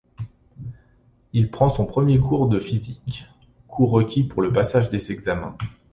Il prend son premier cours de physique, cours requis pour le passage des examens.